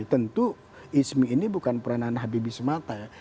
tentu hizmi ini bukan peranan habib semata ya